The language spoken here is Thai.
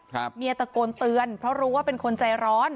เมียตะโกนเตือนเพราะรู้ว่าเป็นคนใจร้อน